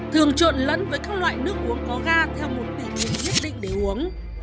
thường trộn lẫn với các loại nước uống có ga theo một tỉ nhiệm nhất định để uống